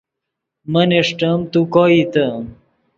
من اݰٹیم تو کوئیتے